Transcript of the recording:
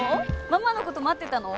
ママの事待ってたの？